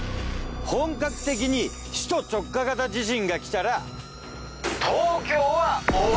本格的に首都直下型地震が来たら。